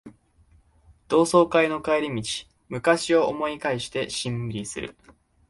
同窓会の帰り道、昔を思い返してしんみりする